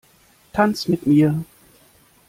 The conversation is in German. Tanz mit mir!